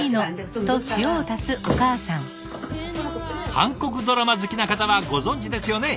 韓国ドラマ好きな方はご存じですよね。